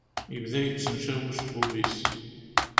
Yebda yettančaw ucebbub-iw.